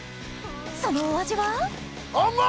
そのお味は？